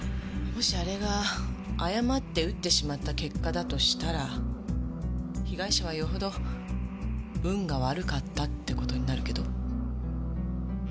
もしあれが誤って撃ってしまった結果だとしたら被害者はよほど運が悪かったって事になるけど？